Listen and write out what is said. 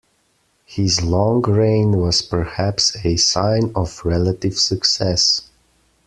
His long reign was perhaps a sign of relative success.